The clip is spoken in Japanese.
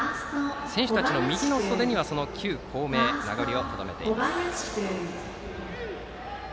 選手たちの右の袖には旧校名の名残をとどめています。